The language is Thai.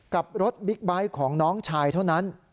กับรถบิ๊กไบท์ของน้องชายเท่านั้น